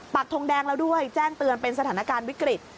ทงแดงแล้วด้วยแจ้งเตือนเป็นสถานการณ์วิกฤต